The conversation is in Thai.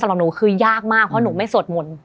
สำหรับหนูคือยากมากเพราะหนูไม่สวดมนต์